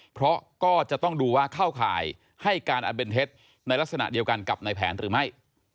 เพราะก็จะต้องดูว่าเข้าข่ายให้การอันเป็นเท็จในลักษณะเดียวกันกับในแผนหรือไม่